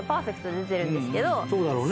そうだろうね。